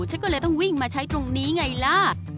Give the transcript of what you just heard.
ฉันก็เลยต้องวิ่งมาใช้ตรงนี้ไงล่ะ